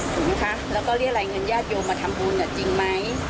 ถูกไหมค่ะแล้วก็เรียกว่าเอาเงินยาชโยมทมาทำบุญเนี่ยจริงไหม